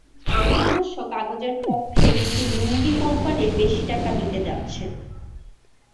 আমি অবশ্য কাগজের পক্ষে কিন্তু লুঙ্গি কোম্পানি বেশি টাকা দিতে যাচ্ছে।